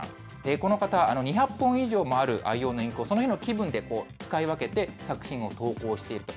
この方、２００本以上もある、愛用のインクを、その日の気分で使い分けて、作品を投稿していると。